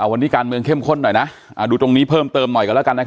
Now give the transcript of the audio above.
วันนี้การเมืองเข้มข้นหน่อยนะดูตรงนี้เพิ่มเติมหน่อยกันแล้วกัน